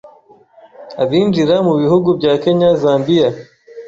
abinjira mu bihugu bya Kenya, Zambia